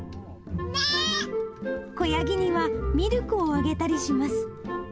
子ヤギにはミルクをあげたりします。